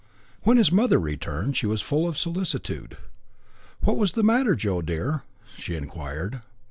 When his mother returned she was full of solicitude. "What was the matter, Joe dear?" she inquired.